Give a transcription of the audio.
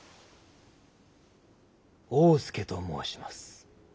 大典侍と申します。